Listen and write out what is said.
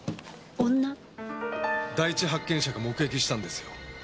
第一発見者が目撃したんですよ